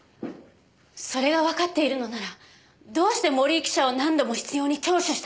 それがわかっているのならどうして森井記者を何度も執拗に聴取したのです？